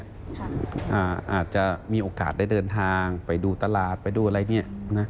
อาจจะมีโอกาสได้เดินทางไปดูตลาดไปดูอะไรเนี่ยนะ